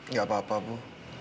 nggak apa apa bu